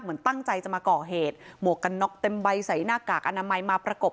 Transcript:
เหมือนตั้งใจจะมาก่อเหตุหมวกกันน็อกเต็มใบใส่หน้ากากอนามัยมาประกบ